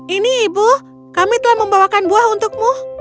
ini ibu kami telah membawakan buah untukmu